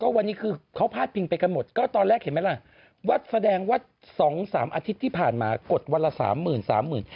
วันนี้คือเขาพาดพิงไปกันหมดก็ตอนแรกเห็นไหมล่ะว่าแสดงว่า๒๓อาทิตย์ที่ผ่านมากดวันละสามหมื่นสามหมื่น